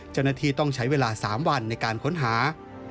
เจ้าหน้าที่ต้องใช้เวลา๓วันในการค้นหา